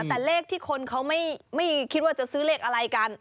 แต่เลขที่คนเขาไม่คิดว่าจะซื้อเลขอะไรกัน